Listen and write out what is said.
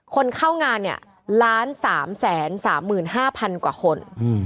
คนเข้างานเนี่ย๑๓๓๕๐๐๐กว่าคน